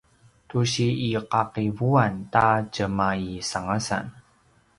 tu si iqaqivuan ta tjemaisangasan